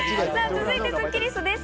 続いてスッキりすです。